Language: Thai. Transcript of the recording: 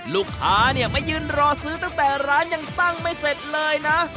ลูกค้าเนี่ยมายืนรอซื้อตั้งแต่ร้านยังตั้งไม่เสร็จเลยนะ